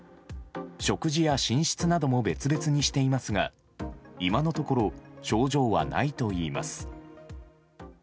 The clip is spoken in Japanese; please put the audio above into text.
食事や寝室なども別々にしていますが今のところ症状はないといいます。